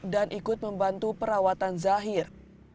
dan ikut membantu perawatan zahir